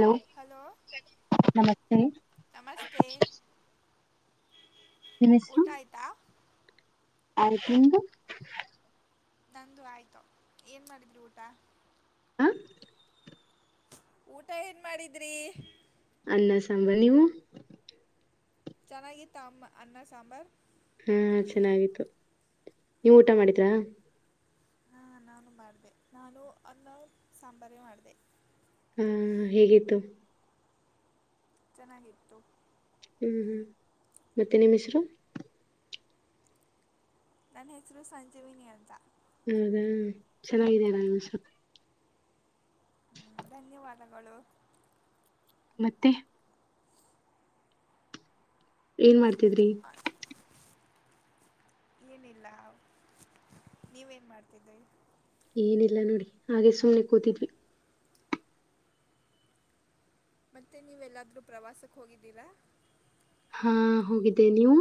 Hello! Hello... ! ನಮಸ್ತೆ ನಮಸ್ತೆ... ನಿಮ್ಮ್ ಊಟ ಆಯ್ತಾ? ಆಯ್ತ್... ನಿಂದು? ನಂದು ಆಯ್ತು. ಏನ್ ಮಾಡಿದ್ರಿ ಊಟ? ಹಾ? ಊಟ ಏನ್ ಮಾಡಿದ್ರಿ? ಅನ್ನ, ಸಾಂಬರ್.. ನೀವು? ಚೆನ್ನಾಗಿ ತಗೊಂಬಾ ಅನ್ನ ಸಾಂಬಾರ್. ಹ್ಮ್ ಚೆನ್ನಾಗಿತ್ತು ನೀವು ಊಟ ಮಾಡಿದ್ರಾ ಹಾ ನಾನು ಮಾಡಿದೆ ನಾನು ಅನ್ನ ಸಾಂಬಾರೆ ಮಾಡಿದೆ ಹ್ಮ್ ಹೇಗಿತ್ತು ಚೆನ್ನಾಗಿತ್ತು ಹ್ಞೂ ಹ್ಞೂ ಮತ್ತ ನಿಮ್ ಹೆಸ್ರು ನನ್ನ ಹೆಸರು ಸಂಜೀವಿನಿ ಅಂತ ಹ್ಮ್ ಹ್ಮ್ ಚೆನ್ನಾಗಿದ್ಯಲ್ಲಾ ನಿಮ್ ಸ್ವ ಹ್ಮ ಧನ್ಯವಾದಗಳು ಮತ್ತೆ ಏನ್ ಮಾಡ್ತಿದ್ರಿ ಏನಿಲ್ಲ ನೀವೇನ್ ಮಾಡ್ತಿದ್ರಿ ಏನಿಲ್ಲ ನೋಡಿ ಹಾಗೆ ಸುಮ್ನೆ ಕೂತಿದ್ವಿ ಮತ್ತೆ ನೀವೆಲ್ಲದ್ರು ಪ್ರವಾಸಕ್ಕೆ ಹೋಗಿದ್ದೀರಾ ಹಾ ಹೋಗಿದ್ದೆ ನೀವು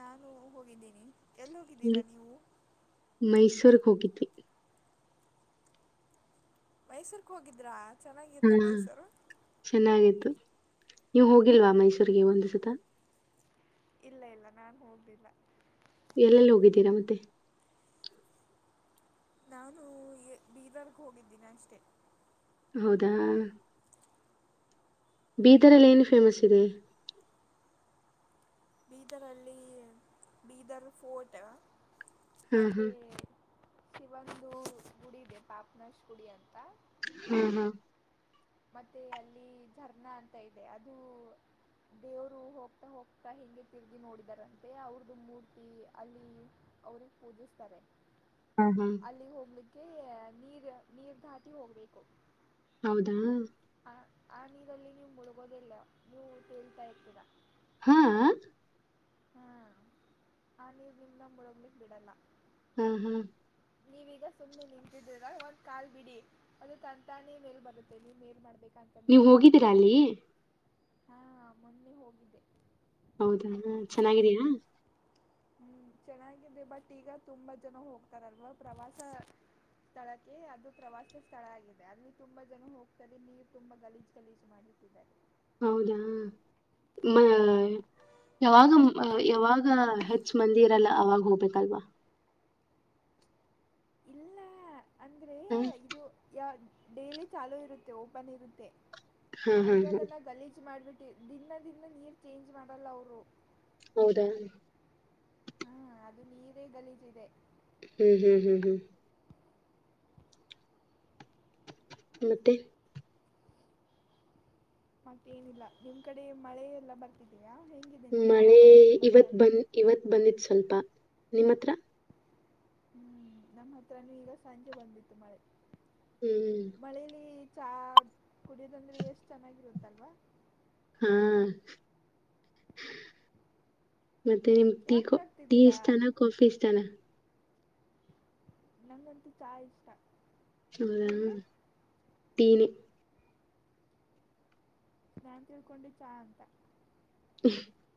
ನಾನು ಹೋಗಿದ್ದೀನಿ ಎಲ್ ಹೋಗಿದ್ದೀರಾ ನೀವು. ಮೈಸೂರ್ ಹೋಗಿದ್ದವಿ ಮೈಸೂರು ಹೋಗಿದ್ರಾ ಹಾ ಚೆನ್ನಾಗಿತ್ತ ಮೈಸೂರು ಚೆನ್ನಾಗಿತ್ತು ನೀವು ಹೋಗಿಲ್ವಾ ಮೈಸೂರಿಗೆ ಒಂದು ಸತ. ಇಲ್ಲ ಇಲ್ಲ ನಾನ್ ಹೋಗಿಲ್ಲ ಎಲ್ಲೆಲ್ಲಿ ಹೋಗಿದ್ದೀರಾ ಮತ್ತೆ. ನಾನು ಬೀದರ ಹೋಗಿದ್ದೀನಿ ಅಷ್ಟೆ. ಹೌದಾ ಬೀದರಲ್ಲಿ ಏನು ಫೇಮಸ್ ಇದೆ. ಬೀದರಲ್ಲಿ ಬೀದರ್ ಫೋರ್ಟ್. ಹಾ ಹಾ ಮತ್ತೆ ಶಿವಂದು ಗುಡಿ ಇದೆ ಪಾಪ್ನಶ್ ಗುಡಿ ಅಂತ. ಹಾ ಹಾ ಮತ್ತೆ ಅಲ್ಲಿ ಝರ್ನಾ ಅಂತ ಐತೆ ಅದು. ದೇವರು ಹೋಗ್ತಾ ಹೋಗ್ತಾ ಹಿಂದೆ ತಿರುಗಿ ನೋಡಿದಾರಂತೆ ಅವ್ರದು ಮೂರ್ತಿ ಅಲ್ಲಿ. ಅವರಿಗೆ ಪೂಜಿಸ್ತಾರೆ. ಹ್ಮ ಹ್ಮ್ ಅಲ್ಲಿ ಹೋಗಲಿಕ್ಕೆ ನೀರು ನೀರು ಧಾಟಿ ಹೋಗಬೇಕು. ಹೌದಾ ಆ ಆ ನೀರಲ್ಲಿ ನೀವು ಮುಳುಗೋದಿಲ್ಲ ನೀವು ತೆಲ್ತಾ ಇರ್ತೀರಾ. ಹಾಆ. ಹಾ ಆ ನೀರಿ ನಿಮ್ನ ಮುಳಗ್ಲಿಕ್ಕ ಬಿಡಲ್ಲ. ಹ್ಮ ಹ್ಮ ನೀವೀಗ ಸುಮ್ಮ್ನೆ ನಿಂತಿದಿರ ಒಂದು ಕಾಲ್ ಬಿಡಿ. ಅದು ತಂತಾನೆ ಮೇಲ್ ಬರುತ್ತೆ ನೀವ್ ಏನ್ ಮಾಡ್ಬೇಕ ನೀವು ಹೋಗಿದ್ದೀರಾ ಅಲ್ಲಿ. ಹಾ ಮೊನ್ನೆ ಹೋಗಿದ್ದೆ. ಹೌದಾ ಹ ಚೆನ್ನಾಗಿದೇಯಾ? ಹ್ಮ್ ಚೆನ್ನಾಗಿದೆ ಬಟ್ ಈಗ ತುಂಬಾ ಜನ ಹೋಗ್ತಾರಲ್ವಾ ಪ್ರವಾಸ. ಸ್ಥಳಕ್ಕೆ ಅದು ಪ್ರವಾಸ ಸ್ಥಳ ಆಗಿದೆ ಅಲ್ಲಿ ತುಂಬಾ ಜನ ಹೋಗ್ತಾರೆ ನೀರು ತುಂಬಾ ಗಲೀಜು ಗಲೀಜು. ಮಾಡಿಟ್ಟಿದ್ದಾರೆ. ಹೌದಾ ಮ. ಯಾವಾಗ ಯಾವಾಗ ಹೆಚ್ಚ ಮಂದಿ ಇರಲ್ಲ ಅವಾಗ ಹೋಗ್ಬೇಕಲ್ವಾ. ಇಲ್ಲ ಅಂದ್ರೆ ಹ ಇದು. ಯ ಡೈಲಿ ಚಾಲೂ ಇರುತ್ತೆ ಓಪನ್ ಇರುತ್ತೆ ಹಾ ಹಾ ಅಂದ್ರೆ ಹಾ ಅದನ್ನ ಗಲೀಜು ಮಾಡ್ಬಿಟ್ಟು. ದಿನ ದಿನ ನೀರು ಚೇಂಜ್ ಮಾಡಲ್ಲ ಅವರು. ಹೌದಾ ಹ್ಮ್ ಅದು ನೀರೇ ಗಲಿಜ್ ಇದೆ. ಹ್ಮ್ ಹ್ಮ್ ಹ್ಮ್ ಹ್ಮ್ ಮತ್ತೆ. ಮತ್ತೇನಿಲ್ಲ ನಿಮ್ ಕಡೆ ಮಳೆ ಎಲ್ಲಾ ಬರ್ತಿದೀಯಾ ಹೆಂಗೆ. ಮಳೆ ಇವತ್ ಬಂದ ಇವತ್ ಬಂದಿತ್ ಸ್ವಲ್ಪ ನಿಮ್ಮ್ ಹತ್ರ ಹ್ಮ್ ನಮ್ಮ ಹತ್ರ ನೀರ ಈಗ ಸಂಜೆ ಬಂದಿತ್ತು ಮಳೆ ಹ್ಮ್ ಮಳೇಲಿ. ಚಹ ಕುಡಿಯದಂದ್ರೆ ಎಷ್ಟು ಚೆನ್ನಾಗಿರುತ್ತಲ್ವಾ. ಹಾ ಮತ್ತೆ ನಿಮ್ ಟೀ ಯಾಕ್ ಟೀ ನಗ್ತಿದ್ದೀರಾ ಇಷ್ಟಾನ ಕಾಫಿ ಇಷ್ಟಾನ. ನಂಗಂತೂ ಚಹಾ ಇಷ್ಟ ಹೌದಾ ನಿಮ್ಗೆ ಟೀನೇ ನಾನ್ ತಿಳ್ಕೊಂಡೆ ಚಾ ಅಂತ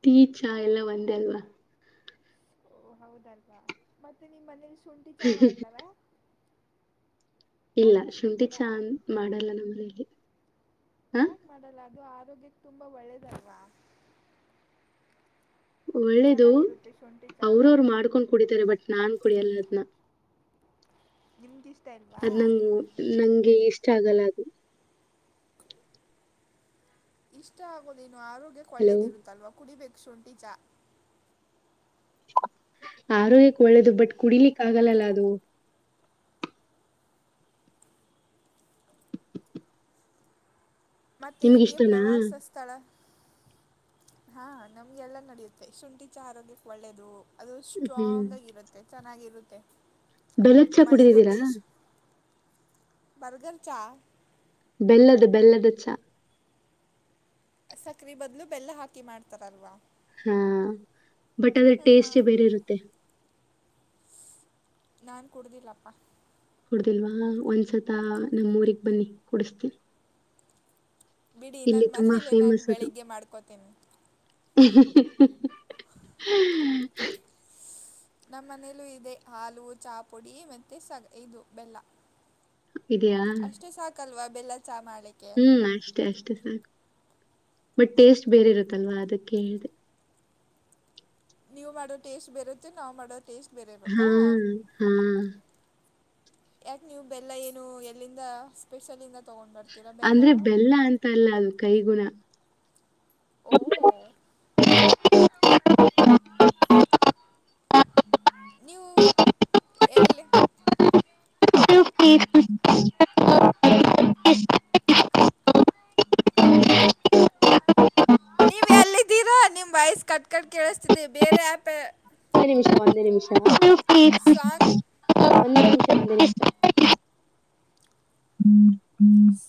ಟೀ ಚಾ ಎಲ್ಲ ಒಂದೇ ಅಲ್ವಾ ಓಹ ಹೌದಲ್ವಾ ಮತ್ತೆ ನಿಮ್ ಮನೇಲಿ ಶುಂಠಿ ಚಾ ಮಾಡ್ತಾರಾ ಇಲ್ಲ ಶುಂಠಿ ನಗ್ತಿದ್ದೀರಾ ಚಾ ಮಾಡಲ್ಲ ನಮ್ಮ್ರಲ್ಲಿ ಯಾಕೆ ಮಾಡಲ್ಲ ಅದು ಆರೋಗ್ಯಕ್ಕೆ ತುಂಬಾ ಒಳ್ಳೇದಲ್ವಾ ಒಳ್ಳೇದು ಚೆನ್ನಾಗಿರುತ್ತೆ ಶುಂಠಿ ಚಾ ಅವ್ರವ್ರು ಮಾಡ್ಕೊಂಡ್ ಕುಡಿತಾರೆ ಬಟ್ ನಾನ್ ಕುಡಿಯಲ್ಲ ಅದ್ನ ನಿಮಗೆ ಇಷ್ಟ ಇಲ್ಲ ಅದ್ ನಂಗಗೆ ನಂಗೆ ಇಷ್ಟ ಆಗಲ್ಲ ಅದು ಇಷ್ಟ ಆಗೋದೇನು ಆರೋಗ್ಯ ಒಳ್ಳೇದಿರುತ್ತಲ್ವ ಕುಡಿಬೇಕು ಶುಂಠಿ ಚಾ ಆರೋಗ್ಯಕ್ ಒಳ್ಳೇದು ಬಟ್ ಕುಡಿಲಿಕ್ಕ ಆಗಲ್ಲಲ್ಲ ಅದು ಮತ್ತೆ ನಿಮ್ಗ್ ನಿಮಗೆ ಇಷ್ಟನಾ ಪ್ರವಾಸ ಸ್ಥಳ ಹಾ ನಮ್ಗೆಲ್ಲ ನಡೆಯುತ್ತೆ ಶುಂಠಿ ಚ ಆರೋಗ್ಯಕ್ಕೆ ಒಳ್ಳೇದು ಅದು ಹ್ಮ್ ಸ್ಟ್ರಾಂಗಾಗಿರುತ್ತೆ ಚೆನ್ನಾಗಿರುತ್ತೆ ಬೆಲ್ಲದ್ ಚಾ ಮಳೆ ಕುಡಿದಿದ್ದೀರಾ ಜ್ಯೋತಿಷ್ ಬರ್ಗರ್ ಚ ಬೆಲ್ಲದ ಬೆಲ್ಲದ ಚ ಸಕ್ರೆ ಬದ್ಲು ಬೆಲ್ಲ ಹಾಕಿ ಮಾಡ್ತಾರಲ್ವಾ ಹಾ ಬಟ್ ಅದ್ರ ಹಾಂ ಟೇಸ್ಟ್ೇ ಬೇರೆ ಇರುತ್ತೆ ನಾನು ಕುಡುದಿಲ್ಲಪ್ಪ ಕುಡ್ದಿಲ್ವಾ ಒಂದ್ಸತ ನಮ್ಮ್ ಊರಿಗಿ ಬನ್ನಿ ಕುಡಿಸತೀನಿ ಬಿಡಿ ನನ್ನ ತುಂಬಾ ಮನೇಲೆ ನಾನು ಫೇಮಸ್ ಬೆಳಿಗ್ಗೆ ಮಾಡ್ಕೋತೀನಿ ಹ್ಮ ಹ [unintelligible] ನಮ್ಮ ಮನೇಲ್ಲೂ ಇದೆ ಹಾಲು ಚಾಪುಡಿ ಮತ್ತೆ ಸ ಇದು ಬೆಲ್ಲ ಇದೆಯಾ ಅಷ್ಟೇ ಸಾಕಲ್ವಾ ಬೆಲ್ಲ ಚ ಮಾಡಳೆ ಹ್ಮ್ ಅಷ್ಟೇ ಅಷ್ಟೇ ಸಾಕು ಬಟ್ ಟೇಸ್ಟ್ ಬೇರೆ ಇರುತ್ತಲ್ವಾ ಅದಕ್ಕೆ ಹೇಳ್ದ ನೀವು ಮಾಡೋ ಟೇಸ್ಟ್ ಬೇರುತ್ತೆ ನಾವ್ ಮಾಡೋ ಟೇಸ್ಟ್ ಬೇರೆ ಇರುತ್ತಾ ಹ್ಮ್ ಯಾಕೆ ನೀವು ಬೆಲ್ಲ ಏನು ಎಲ್ಲಿಂದ ಸ್ಪೆಷ ಇಂದ ತಗೊಂಡು ಅಂದ್ರೆ ಬೆಲ್ಲ ಅಂತ ಅಲ್ಲ ಅದು ಕೈಗುಣ ಓ ನೀವು ಎಲ್ಲಿ ಸ [unintelligible] ನೀವ್ ಎಲ್ಲಿದ್ದೀರಾ ನಿಮ್ ವಯಸ್ ಕಟ್ ಕಟ್ ಕೇಳಿಸಸ್ತಿದಿ ಬೇರೆ ಆಪ ಒಂದ ಮಿಷ ಸಾಂಗ್ [unintelligible] ಹಾ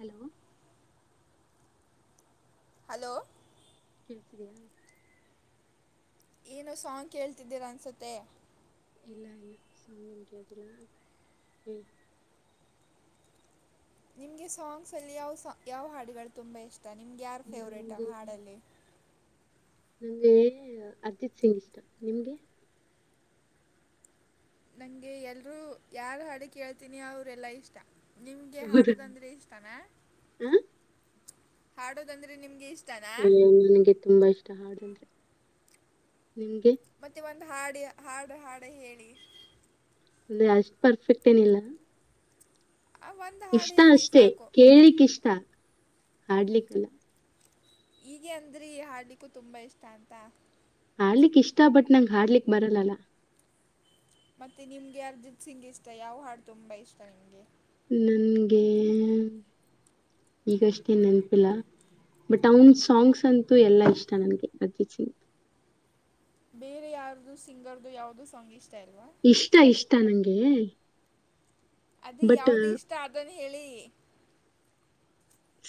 ಹಲೋ ಹಲೋ ಬರತಿಯಾ [unintelligible] ಏನು ಸಾಂಗ್ ಕೇಳ್ತಿದ್ದೀರ ಅನ್ಸುತ್ತೆ ಇಲ್ಲ ಇಲ್ಲ [unintelligible] ನಿಮಗೆ ಸಾಂಗ್ಸಲ್ಲಿ ಯಾವ ಸಾಂಗ ಯಾವ ಹಾಡುಗಳು ತುಂಬ ಇಷ್ಟ ನಿಮ್ಗೆ ಯಾರ ಫೇವ್ರೇಟ್ ಆ ನಂಗೆ ಹಾಡಲ್ಲಿ ನಂಗೆ ಅರ್ಜಿತ್ ಸಿಂಗ್ ಇಷ್ಟ ನಿಮ್ಗೆ ನಂಗೆ ಎಲ್ರೂ ಯಾರ ಹಾಡು ಕೇಳ್ತೀನಿ ಅವರೆಲ್ಲಾ ಇಷ್ಟ ನಿಮ್ಗೆ ಹೌದಾ ಹಾಡೋದಂದ್ರೆ ಇಷ್ಟನ ಹ ಹಾಡೋದಂದ್ರೆ ನಿಮ್ಗೆ ಇಷ್ಟ ಹು ನನ್ಗೆ ತುಂಬಾ ಇಷ್ಟ ಹಾಡು ಅಂದ್ರೆ ನಿಂಗೆ ಮತ್ತೆ ಒಂದು ಹಾಡು ಹಾಡಿ ಹಾಡು ಹೇಳಿ ಅಂದ್ರೆ ಅಷ್ಟ್ ಪರ್ಫೆಕ್ಟ್ ಏನಿಲ್ಲ ಆ ಒಂದು ಹಾಡು ಇಷ್ಟ ಹೇಳಿ ಅಷ್ಟೆ ಸಾಕು ಕೇಳಲಿಕ್ ಇಷ್ಟ ಹಾಡ್ಲಿಕ್ಕಲ್ಲ ಹೀಗೆ ಅಂದ್ರಿ ಹಾಡ್ಲಿಕ್ಕೂ ತುಂಬಾ ಇಷ್ಟ ಅಂತ ಹಾಡಲಿಕೆ ಇಷ್ಟ ಬಟ್ ನಂಗ ಹಾಡಲಿಕ್ ಬರಲ್ಲಾ ಅಲ್ವಾ ಮತ್ತೆ ನಿಮ್ಗೆ ಅರ್ಜಿತ್ ಸಿಂಗ್ ಇಷ್ಟ ಯಾವ ಹಾಡು ತುಂಬಾ ಇಷ್ಟ ನಿಮ್ಗೆ ನನ್ಗೆ ಈಗಷ್ಟೇ ನೆನಪಿಲ್ಲ ಬಟ್ ಅವನ್ ಸಾಂಗ್ಸ್ ಅಂತೂ ಎಲ್ಲಾ ಇಷ್ಟ ನನ್ಗೆ ಅಜಜಿತ್ ಸಿಂಗ್ ಬೇರೆ ಯಾರ್ದು ಸಿಂಗರ್ದು ಯಾವ್ದೋ ಸಾಂಗ್ ಇಷ್ಟ ಇಲ್ವಾ ಇಷ್ಟ ಇಷ್ಟ ನಂಗೆ ಅದೇ ಬಟ್ ಯಾದು ಇಷ್ಟ ಅದನ್ನು ಹೇಳಿ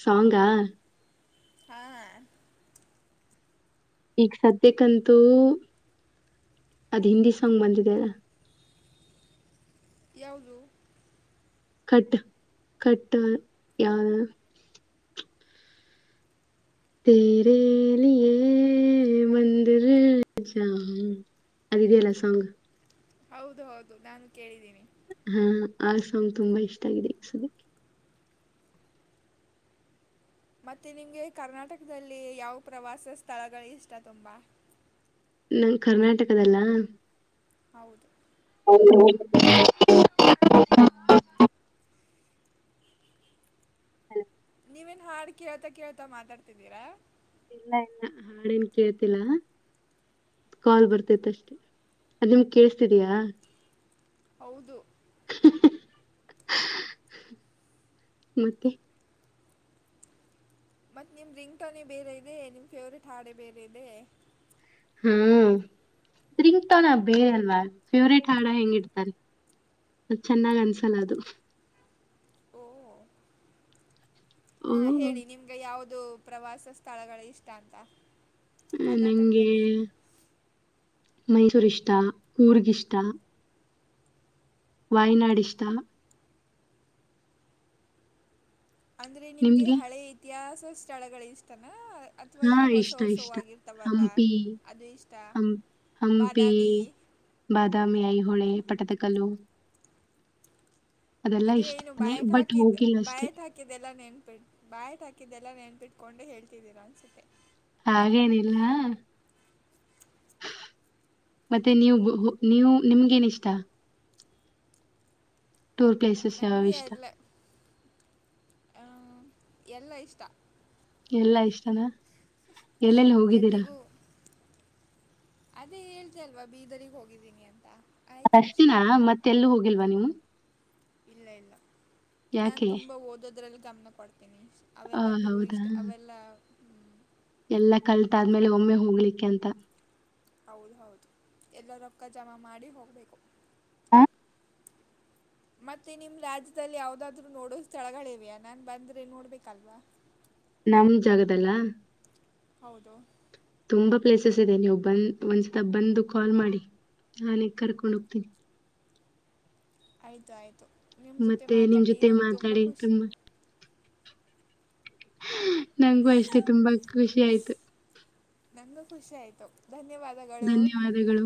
ಸಾಂಗ ಹಾ ಈಗ ಸದ್ಯಕ್ಕಂತೂ ಅದ್ ಹಿಂದಿ ಸಾಂಗ್ ಬಂದಿದೆ ಅಲ್ಲ ಯಾವುದು ಕಟ್ ಕಟ್ಟ ಯಾರ ತರೆಲ್ಲಿ ಮಂದಿರ ಹ್ಮ್ ಹ್ಮ ಅದ ಇದದೆಲ್ಲ ಸಾಂಗ್ ಹೌದು ಹೌದು ನಾನು ಕೇಳಿದ್ದೀನಿ ಹಾ ಆ ಸಾಂಗ್ ತುಂಬಾ ಇಷ್ಟ ಆಗಿದೆ ಈಸದ ಮತ್ತೆ ನಿಮ್ಗೆ ಕರ್ನಾಟಕದಲ್ಲಿ ಯಾವ ಪ್ರವಾಸ ಸ್ಥಳಗಳು ಇಷ್ಟ ತುಂಬಾ. ನನ್ ಕರ್ನಾಟಕದಲ್ಲ. ಹೌದು. ಹೌ [unintelligible] ನೀವೇನ್ ಹಾಡ್ ಕೇಳ್ತಾ ಕೇಳ್ತಾ ಮಾತಾಡ್ತಿದ್ದೀರಾ ಇಲ್ಲ ಇಲ್ಲ ಹಾಡು ಏನ್ ಕೇಳ್ತಿಲ್ಲಾ ಕಾಲ್ ಬರ್ತೈತ್ ಅಷ್ಟೇ ಅದು ನಿಮ್ಗ್ ಕೇಳಿಸಸ್ತಿದಿಯಾ ಹೌದು ಮತ್ತೆ ಮತ್ ನಿಮ್ ರಿಂಗ್ ಟೋನಿ ಬೇರೆ ಇದೆ ನಿಮ್ ಫೇವ್ರೇಟ್ ಹಾಡೆ ಬೇರೆ ಇದೆ ಹ್ಮಗ ತವನ ಬೇರೆಲ್ವಾ ಫೇವ್ರೇಟ್ ಹಾಡ ಹೆಂಗ ಇಡ್ತಾರೆ ಅ ಚೆನ್ನಾಗ್ ಅನ್ಸಲ್ಲ ಅದು ಓ ಓ ಹಾ ಹೇಳಿ ನಿಮ ಈಗ ಯಾವವುದು ಪ್ರವಾಸ ಸ್ಥಳಗಳು ಇಷ್ಟ ಅಂತ ಅ ನಂಗೆ ಕರ್ನಾಟಕದಲ್ಲಿ ಮೈಸೂರ್ ಇಷ್ಟ ಊರ್ಗಿ ಇಷ್ಟ ವಾಯ್ನಾಡಿ ಇಷ್ಟ ಅಂದ್ರೆ ನಿಮ್ಗೆ ಹಳೆ ಇತಿಹಾಸ ಸ್ಥಳಗಳು ಇಷ್ಟತನ ಅಥವಾ ಹಾ ಈಗ ಹೊಸ ಇಷ್ಟ ಇಷ್ಟ ಹೊಸಗರ್ತಾವಲ್ಲ ಹಂಪಿ ಅದು ಇಷ್ಟ ಹಂ ಹಂಪಿ ಬಾದಾಮಿ ಬಾದಾಮಿ ಐಹೊಳೆ ಪಟದಕಲುು ಇದು ಏನು ಇಷ್ಟನೇ ಬಯಟ್ ಬಟ್ ಹಾಕಿದ್ದ್ ಹೋಗಿಲ್ಲ ಅಷ್ಟೇ ಬಯಟ್ ಹಾಕ ಹಾಕಿದ್ದೆಲ್ಲ ನೆನ್ಪಿು ಬಯಟ್ ಹಾಕಿದ್ದೆಲ್ಲ ನೆನ್ಪಿಟ್ಕೊಂಡು ಹೇಳ್ತಿದ್ದೀರ ಅನ್ಸುತ್ತೆ ಹಾಗೇನಿಲ್ಲ [unintelligible] ಮತ್ತೆ ನೀವು ನೀವು ನಿಮ್ಗ ಏನ್ ಇಷ್ಟ. [inaudible] ಟುರ್ ಪೇಸ್ ನಮಗೆ ಎಲ್ಲ ಎಲ್ಲ ಇಷ್ಟ. ಎಲ್ಲಾ ಇಷ್ಟನ. ಎಲ್ಲಿಗೂ. ಅದೇ ಹೇದ ಅಲ್ವಾ ಬೀದರ್ರಿಗೆ ಹೋಗಿದ್ದೀನಿ ಅಂತ. ಆಯಿತು ಅಷ್ಟಿನ ಅಷ್ಟೇ ಮತ್ತೆ ಎಲ್ಲ ಹೋಗಿಲ್ವಾ ನೀವು. ಇಲ್ಲ ಇಲ್ಲ ನಾನ್ ಯಾಕೆ ತುಂಬಾ ಓದೋದ್ರಲ್ಲಿ ಗಮನ ಕೊಡ್ತೇನಿ. ಆ ಅವೆಲ್ಲ ಟೂರಿಸ್ಟ್ ಅವೆಲ್ಲ. ಹ್ಮ್, ಎಲ್ಲ ಕಲ್ತಾದ್ಮೇಲೆ ಒಮ್ಮೆ ಹೋಗ್ಲಿಕ್ಕೆ ಅಂತ. ಹೌದ ಹೌದು ಎಲ್ಲ ರೊಕ್ಕ ಜಮಾ ಮಾಡಿ ಹೋಗಬೇಕು. ಆ, [inaudible] ಮತ್ತೆ ನಿಮ್ ರಾಜ್ಯದಲ್ಲಿ ಯಾವದಾದ್ರು ನೋಡೋ ಸ್ಥಳಗಳಿವೆಯಾ ನಾನ್ ಬಂದ್ರೆ ನೋಡ್ಬೇಕಲ್ವಾ. ನಮ ಜಾಗದಲ್ಲ. ಹೌದು. ತುಂಬಾ ಪ್ಲೇಸಸ್ ಇದೆ ನೀವು ಬಂದ ಒಂದ್ಸತ ಬಂದು ಕಾಲ್ ಮಾಡಿ ನಾನೇಗ್ ಕರ್ಕೊಂಡ್ ಹೋಗ್ತೀನಿ ಆಯ್ತು ಆಯ್ತು ನಿಮ್ಮ ಜೊತೆ ಮತ್ತೆ ನಿಮ್ ಮಾತಾಡಿ ಜೊತೆ ನಂಗೆ ತುಂಬ ಮಾತಾಡಿ ಖುಷಿ ತುಂಬಾ ನಂಗಗೂ ಅಷ್ಟೇ ತುಂಬಾ ಖುಷಿ ಆಯ್ತು ನನಖುಷಿ ಆಯ್ತು ಧನ್ಯವಾದ ಧನ್ಯವಾದಗಳು